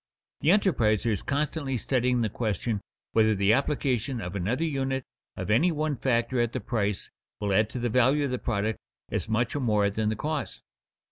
The enterpriser is constantly studying the question whether the application of another unit of any one factor at the price will add to the value of the product as much or more than the cost.